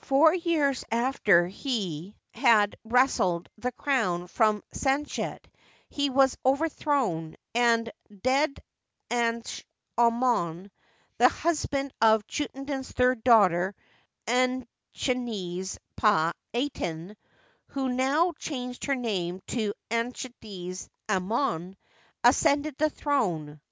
Four years after he had wrested the crown from Sanecht he was overthrown, and Ded anch Amon, the husband of Chuenaten 's third daughter Anchnes pa Aten, who now changed her name to Anchnes Amon, ascended the throne.